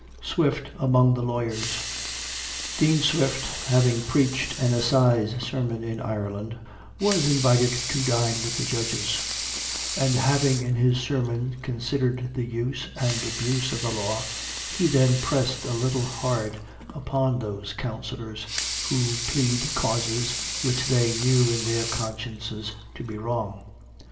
SWIFT AMONG THE LAWYERS. Dean Swift having preached an assize sermon in Ireland, was invited to dine with the Judges; and having in his sermon considered the use and abuse of the law, he then pressed a little hard upon those counsellors, who plead causes which they knew in their consciences to be wrong.